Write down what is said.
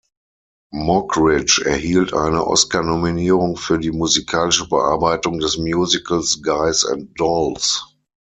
Mockridge erhielt eine Oscarnominierung für die musikalische Bearbeitung des Musicals "Guys and Dolls".